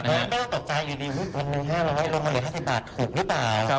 แม่ตกใจอยู่ดีวันหนึ่ง๕๐๐ลงมาเหลือ๕๐บาทถูกหรือเปล่า